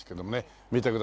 見てください。